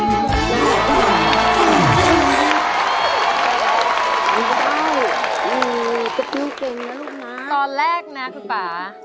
ร้องได้